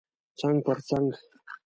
څنګ پر څنګ